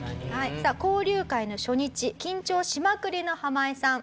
交流会の初日緊張しまくりのハマイさん。